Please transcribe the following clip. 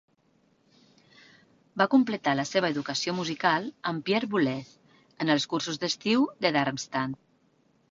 Va completar la seva educació musical amb Pierre Boulez en els Cursos d'Estiu de Darmstadt.